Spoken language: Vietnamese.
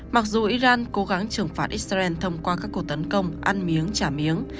mặc dù iran cố gắng trừng phạt israel thông qua các cuộc tấn công ăn miếng trả miếng